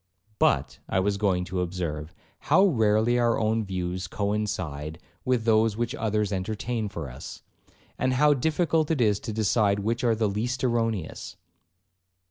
'But, I was going to observe, how rarely our own views coincide with those which others entertain for us, and how difficult it is to decide which are the least erroneous.'